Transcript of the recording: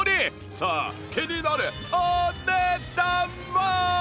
さあ気になるお値段は？